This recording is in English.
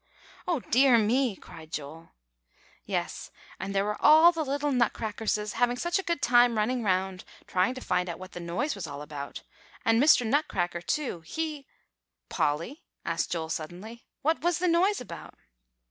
"Oh, dear me!" cried Joel. "Yes; and there were all the little Nutcrackerses having such a good time running round, trying to find out what the noise was all about, and Mr. Nutcracker, too, he" "Polly," asked Joel suddenly, "what was the noise about?"